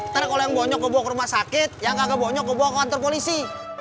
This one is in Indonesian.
yang kebawa ke rumah sakit yang gak kebawanya kebawa ke kantor polisi